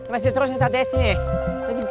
masih terus ustadz s ini